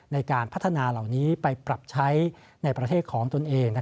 ในการพัฒนาเหล่านี้ไปปรับใช้ในประเทศของตนเอง